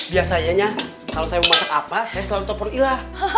biasanya kalau saya mau masak apa saya selalu tepur ila